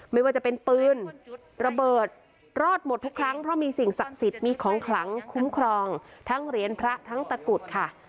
ไม่ว่าจะเป็นปืนระเบิดรอดหมดทุกครั้งเพราะมีสิ่งศักดิ์สิทธิ์มีของขลังคุ้มครองทั้งเหรียญพระทั้งตะกรุดค่ะ